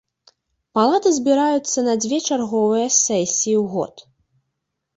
Палаты збіраюцца на дзве чарговыя сесіі ў год.